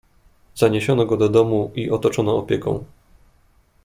"Zaniesiono go do domu i otoczono opieką."